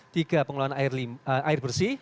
tiga pengelolaan air bersih